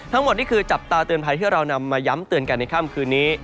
ทั้งหมดนี่คือจับตาเตือนภัยที่เรานำมาย้ำเตือนกันในค่ำคืนนี้